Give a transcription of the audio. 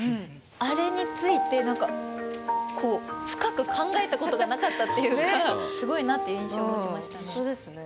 あれについてなんかこう深く考えたことがなかったっていうかすごいなっていう印象を持ちましたね。